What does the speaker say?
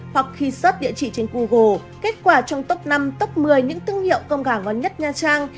hoặc khi xuất địa chỉ trên google kết quả trong top năm top một mươi những thương hiệu cơm gà ngon nhất nha trang